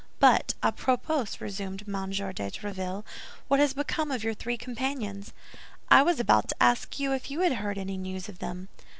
"But, à propos," resumed M. de Tréville, "what has become of your three companions?" "I was about to ask you if you had heard any news of them?"